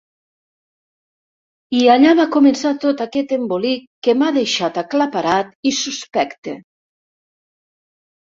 I allà va començar tot aquest embolic que m'ha deixat aclaparat i suspecte.